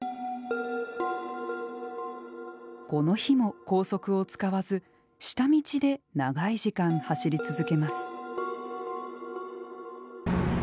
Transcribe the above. この日も高速を使わず下道で長い時間走り続けます。